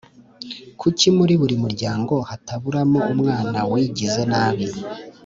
Kuki muri buri muryango hataburamo umwana wigize nabi